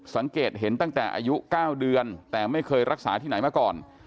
สังเกตเห็นตั้งแต่อายุ๙เดือนแต่ไม่เคยรักษาที่ไหนมาก่อน